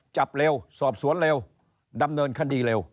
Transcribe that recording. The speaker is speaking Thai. จับเร็วสอบสวนเร็วดำเนินคดีเร็ว